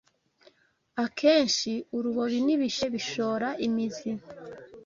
Akenshi urubobi n’ibishihe bishora imizi